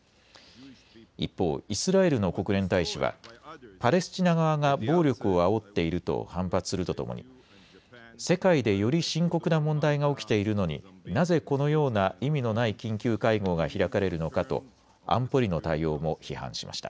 一方、イスラエルの国連大使はパレスチナ側が暴力をあおっていると反発するとともに世界でより深刻な問題が起きているのに、なぜこのような意味のない緊急会合が開かれるのかと安保理の対応も批判しました。